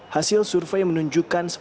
hasil survei menunjukkan